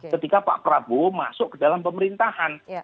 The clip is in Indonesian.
ketika pak prabowo masuk ke dalam pemerintahan